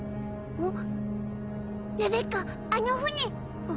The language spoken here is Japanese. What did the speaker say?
あっ。